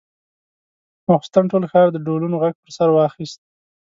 ماخستن ټول ښار د ډولونو غږ پر سر واخيست.